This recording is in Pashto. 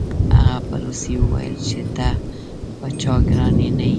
هغه په روسي وویل چې ته په چا ګران نه یې